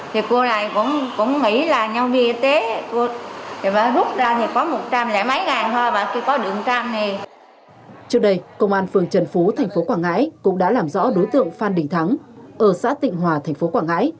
trước đây công an phường trần phú tp quảng ngãi cũng đã làm rõ đối tượng phan đình thắng ở xã tịnh hòa tp quảng ngãi